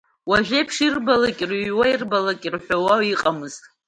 Уажәеиԥш ирбалак рыҩуа, ирбалак рҳәауа иҟамызт.